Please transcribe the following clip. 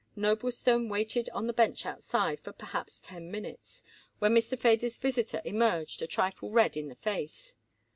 Noblestone waited on the bench outside for perhaps ten minutes, when Mr. Feder's visitor emerged, a trifle red in the face.